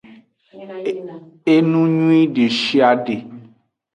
Enuyuie deshiade.